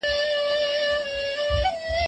کلي مو وسوځیږي